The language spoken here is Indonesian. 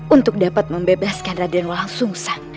untuk dapat membebaskan raden wang sung sang